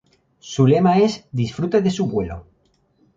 Su lema es "Disfrute de su vuelo".